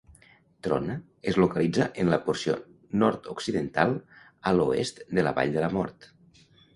Trona es localitza en la porció nord-occidental a l'oest de la Vall de la Mort.